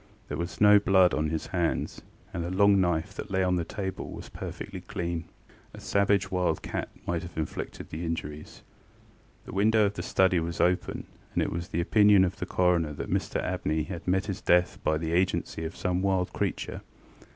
There was no blood on his hands, and a long knife that lay on the table was perfectly clean. A savage wild cat might have inflicted the injuries. The window of the study was open, and it was the opinion of the coroner that Mr Abney had met his death by the agency of some wild creature.